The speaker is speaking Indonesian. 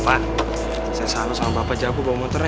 saya selalu sama bapak jago bawa motor ya